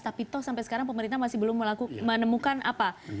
tapi toh sampai sekarang pemerintah masih belum menemukan apa